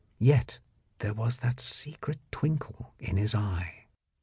Yet there was that secret twinkle in his eye.